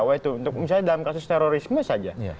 wah itu untuk misalnya dalam kasus terorisme saja